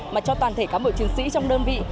mà cho toàn thể cán bộ chiến sĩ trong đơn vị